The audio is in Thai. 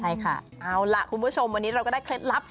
ใช่ค่ะเอาล่ะคุณผู้ชมวันนี้เราก็ได้เคล็ดลับ